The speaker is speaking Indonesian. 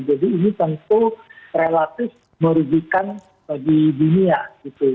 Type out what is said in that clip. jadi ini tentu relatif merugikan bagi dunia gitu